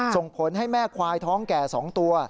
ส่งผลให้แม่ควายท้องแก่๒ตัว